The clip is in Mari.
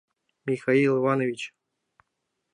Михаил Иванович!